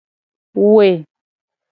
We.